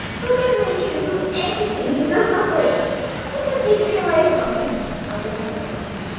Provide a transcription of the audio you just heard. "Who can make him do anything he does not wish? Who can take me away from him?" "I do not know.